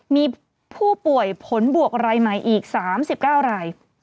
มีผู้ป่วยผลบวกรายใหม่อีก๓๙ราย